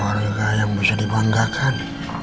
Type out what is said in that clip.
keluarga yang bisa dibanggakan